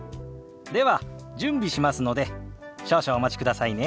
では準備しますので少々お待ちくださいね。